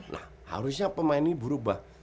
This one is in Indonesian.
nah harusnya pemain ini berubah